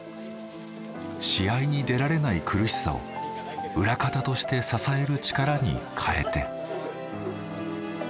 試合に出られない苦しさを裏方として支える力にかえて。